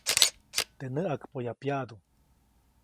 Teʼ näʼakpoyaʼuŋ pyaʼdu.